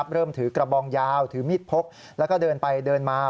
เริ่มถือกระบองยาวถือมีดพกแล้วก็เดินไปเดินมา